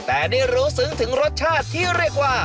แต่ได้รู้ซึ้งถึงรสชาติที่เรียกว่า